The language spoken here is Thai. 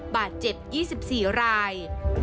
บาดเจ็บ๒๔ราย